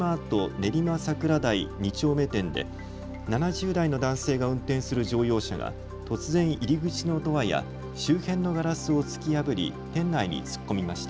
練馬桜台２丁目店で７０代の男性が運転する乗用車が突然、入り口のドアや周辺のガラスを突き破り店内に突っ込みました。